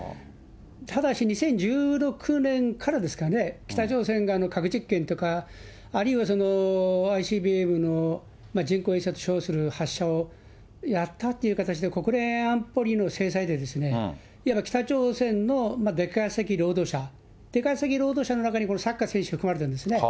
ただし、２０１６年からですかね、北朝鮮が核実験とか、あるいはＩＣＢＭの人工衛星と称する発射をやったっていう形で、国連安保理の制裁でですね、いわば北朝鮮の出稼ぎ労働者、出稼ぎ労働者の中にこのサッカー選手、含まれてるんですね。